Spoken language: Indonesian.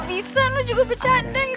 gak bisa lo juga bercandang